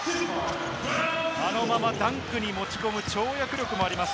あのままダンクに持ち込む跳躍力もあります。